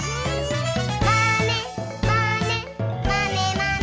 「まねまねまねまね」